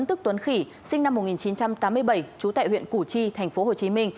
tức tuấn khỉ sinh năm một nghìn chín trăm tám mươi bảy trú tại huyện củ chi tp hcm